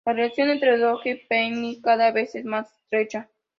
La relación entre Dodge y Penny cada vez es más estrecha.